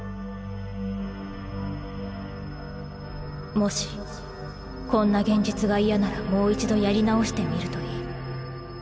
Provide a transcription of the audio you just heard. もしこんな現実が嫌ならもう一度やり直してみるといい。